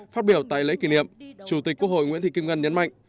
phát biểu tại lễ kỷ niệm chủ tịch quốc hội nguyễn thị kim ngân nhấn mạnh